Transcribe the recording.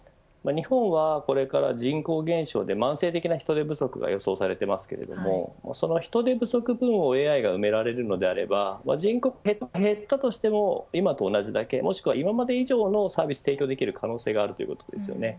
日本はこれから人口減少で慢性的な人手不足が予想されていますがその人手不足分をＡＩが埋められるのであれば人口が減ったとしても今と同じだけもしくは今まで以上のサービスを提供できる可能性があるということです。